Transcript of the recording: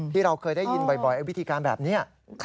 ที่เราเคยได้ยินบ่อยวิธีการแบบนี้